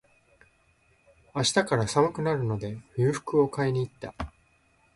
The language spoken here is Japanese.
明日から寒くなるので、冬服を買いに行った。